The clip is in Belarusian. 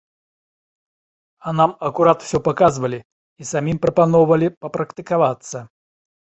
А нам акурат усё паказвалі і самім прапаноўвалі папрактыкавацца!